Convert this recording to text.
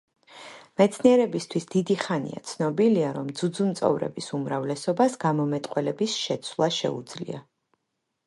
მეცნიერებისთვის დიდი ხანია ცნობილია, რომ ძუძუმწოვრების უმრავლესობას გამომეტყველების შეცვლა შეუძლია.